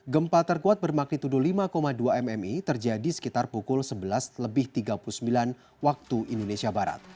gempa terkuat bermagnitudo lima dua mmi terjadi sekitar pukul sebelas lebih tiga puluh sembilan waktu indonesia barat